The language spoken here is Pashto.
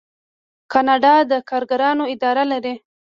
کاناډا د کارګرانو اداره لري.